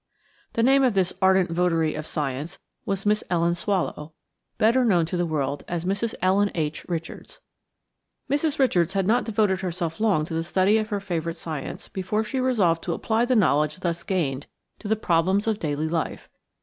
The name of this ardent votary of science was Miss Ellen Swallow, better known to the world as Mrs. Ellen H. Richards. Mrs. Richards had not devoted herself long to the study of her favorite science before she resolved to apply the knowledge thus gained to the problems of daily life.